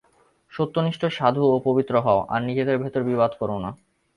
সত্যনিষ্ঠ, সাধু ও পবিত্র হও, আর নিজেদের ভেতর বিবাদ করো না।